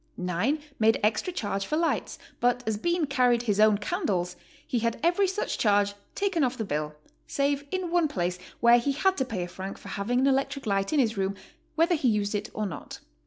Nine made extra charge for lights, but as Bean carried his own candles, he had every such charge taken off the bill save in one place, where he had to pay a franc for having an electric light in hi's room whether he used it or not.